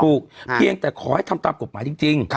เพียงแต่ขอให้ทำตามกฎหมายจริง